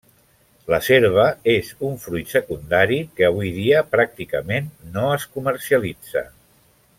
La serva és un fruit secundari, que avui dia pràcticament no es comercialitza.